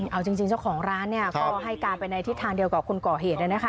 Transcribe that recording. เอาจริงเจ้าของร้านก็ให้การไปในทิศทางเดียวกับคนก่อเหตุ